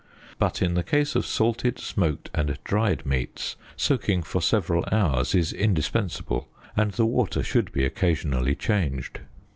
But in the case of salted, smoked and dried meats soaking for several hours is indispensable, and the water should be occasionally changed.